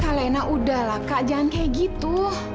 kak lena udahlah kak jangan kayak gitu